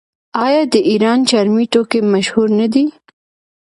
آیا د ایران چرمي توکي مشهور نه دي؟